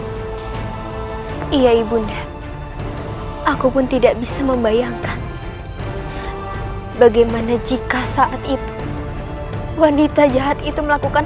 hai iya ibu ndang aku pun tidak bisa membayangkan bagaimana jika saat itu wanita jahat itu melakukan